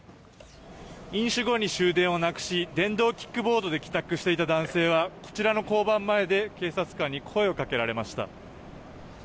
飲酒後に終電をなくし電動キックボードで帰宅していた男性はこちらの交番前で警察官に声をかけられました。